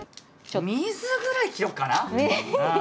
水ぐらい切ろうかな。